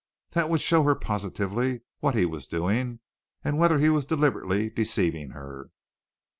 That would show her positively what he was doing and whether he was deliberately deceiving her.